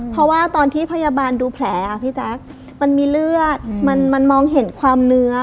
เพราะว่าตอนที่พยาบาลดูแผลพี่แจ๊คมันมีเลือดมันมองเห็นความเนื้อ